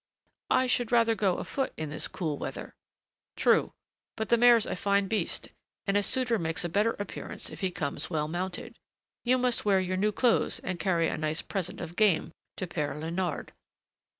"I should rather go afoot in this cool weather." "True, but the mare's a fine beast, and a suitor makes a better appearance if he comes well mounted. You must wear your new clothes and carry a nice present of game to Père Léonard.